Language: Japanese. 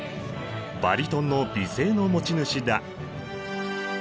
バリトンの美声の持ち主だ！